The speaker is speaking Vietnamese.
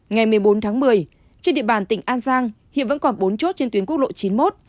ngày một mươi bốn tháng một mươi trên địa bàn tỉnh an giang hiện vẫn còn bốn chốt trên tuyến quốc lộ chín mươi một